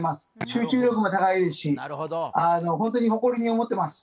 集中力も高いですし、ホントに誇りに思ってます。